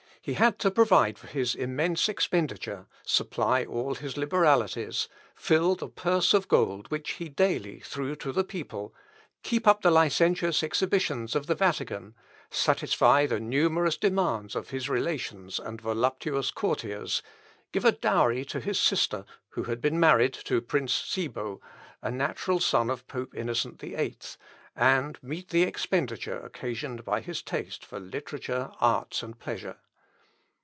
He had to provide for his immense expenditure, supply all his liberalities, fill the purse of gold which he daily threw to the people, keep up the licentious exhibitions of the Vatican, satisfy the numerous demands of his relations and voluptuous courtiers, give a dowry to his sister, who had been married to Prince Cibo, a natural son of Pope Innocent VIII, and meet the expenditure occasioned by his taste for literature, arts, and pleasure.